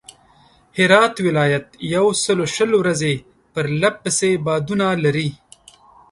هرات ولایت یوسلوشل ورځي پرله پسې بادونه لري.